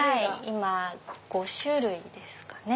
今５種類ですかね。